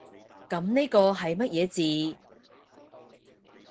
噉呢個係乜嘢字？